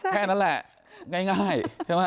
แค่นั้นแหละง่ายใช่ไหม